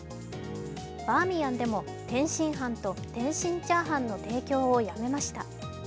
バーミヤンでも天津飯と天津チャーハンの提供をやめました。